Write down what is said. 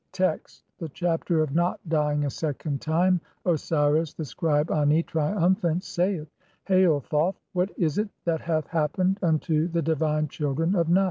Text : (1) The Chapter of not dying a second time. Osiris, the scribe Ani, triumphant, saith :— (2) "Hail, Thoth ! What is it that hath happened unto the di "vine children of Nut?